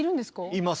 います。